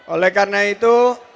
oleh karena itu